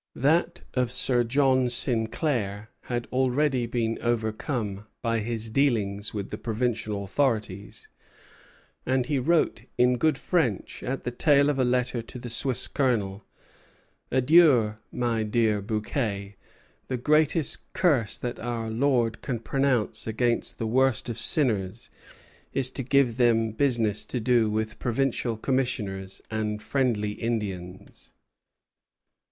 That of Sir John Sinclair had already been overcome by his dealings with the provincial authorities; and he wrote in good French, at the tail of a letter to the Swiss colonel: "Adieu, my dear Bouquet. The greatest curse that our Lord can pronounce against the worst of sinners is to give them business to do with provincial commissioners and friendly Indians."